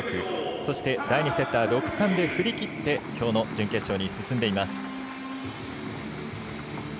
そして、第２セットは６−３で振り切ってきょうの準決勝に進んでいます。